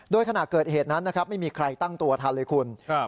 โดยขณะเกิดเหตุนั้นนะครับไม่มีใครตั้งตัวทันเลยคุณ